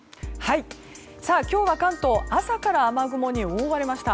今日は関東朝から雨雲に覆われました。